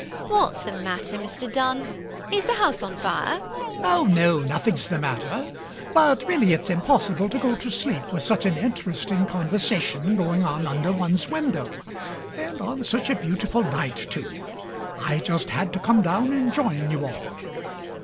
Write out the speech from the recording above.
What's the matter, Mr Dunn? Is the house on fire? MAZZINI. Oh, no: nothing's the matter: but really it's impossible to go to sleep with such an interesting conversation going on under one's window, and on such a beautiful night too. I just had to come down and join you all.